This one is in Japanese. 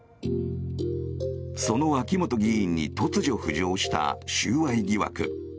その秋本議員に突如、浮上した収賄疑惑。